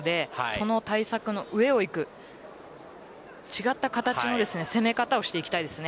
その対策の上をいく違った形の攻め方をしていきたいです。